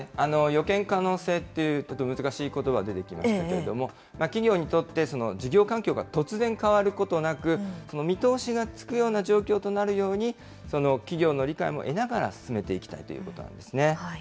予見可能性というとても難しいことば出てきましたけれども、企業にとって事業環境が突然変わることなく、見通しがつくような状況となるように、企業の理解も得ながら進めていきたいということなんですね。